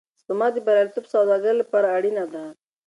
سپما د بریالي سوداګر لپاره اړینه ده.